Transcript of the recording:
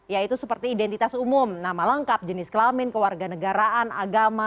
yaitu seperti identitas umum nama lengkap jenis kelamin kewarganegaraan agama